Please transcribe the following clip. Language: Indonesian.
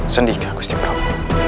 sendikan kusti prabu